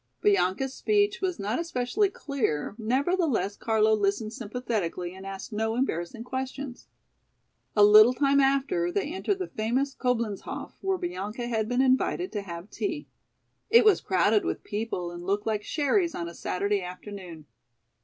Bianca's speech was not especially clear, nevertheless Carlo listened sympathetically and asked no embarrassing questions. A little time after they entered the famous Coblenzhof where Bianca had been invited to have tea. It was crowded with people and looked like Sherry's on a Saturday afternoon.